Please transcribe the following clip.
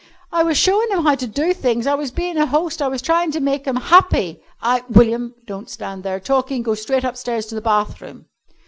"I was showin' 'em how to do things. I was bein' a host. I was tryin' to make 'em happy! I " "William, don't stand there talking. Go straight upstairs to the bathroom."